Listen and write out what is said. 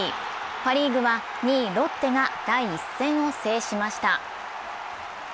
パ・リーグは２位ロッテが第１戦を制しました。